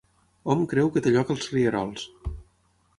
Hom creu que té lloc als rierols.